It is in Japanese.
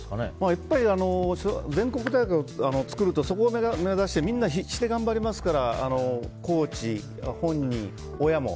やっぱり全国大会を作るとそこを目指してみんな必死で頑張りますからコーチ、本人、親も。